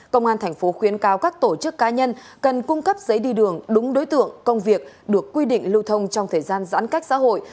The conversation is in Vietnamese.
công an tp khuyến cáo các tổ chức cá nhân cần cung cấp giấy đi đường đúng đối tượng công việc được quy định lưu thông trong thời gian giãn cách xã hội